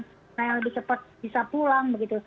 mana yang lebih cepat bisa pulang begitu